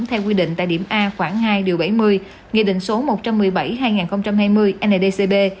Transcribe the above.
theo quy định tại điểm a khoảng hai điều bảy mươi nghị định số một trăm một mươi bảy hai nghìn hai mươi ndcb